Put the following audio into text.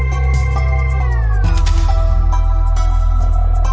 โปรดติดตามต่อไป